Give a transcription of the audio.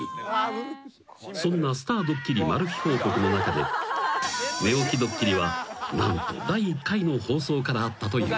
［そんな『スターどっきりマル秘報告』の中で寝起きドッキリは何と第１回の放送からあったという］